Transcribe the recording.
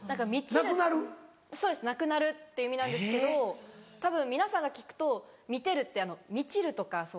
なくなるって意味なんですけどたぶん皆さんが聞くと「みてる」って「満ちる」とか。